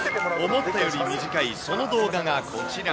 思ったより短い、その動画がこちら。